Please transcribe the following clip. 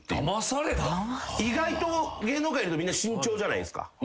意外と芸能界の人みんな慎重じゃないですか。